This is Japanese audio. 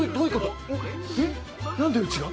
んっ？何でうちが？